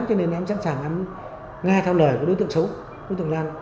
cho nên em sẵn sàng nghe theo lời đối tượng xấu đối tượng gian